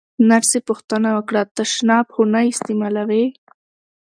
نرسې پوښتنه وکړه: تشناب خو نه استعمالوې؟